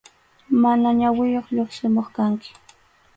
Mana ñawiyuq lluqsimuq kanki.